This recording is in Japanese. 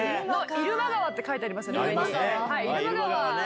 入間川って書いてますよね。